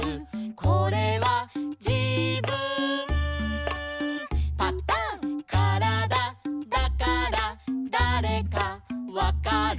「これはじぶんパタン」「からだだからだれかわかる」